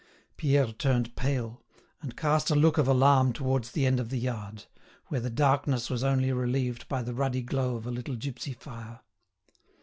Pierre turned pale, and cast a look of alarm towards the end of the yard, where the darkness was only relieved by the ruddy glow of a little gipsy fire.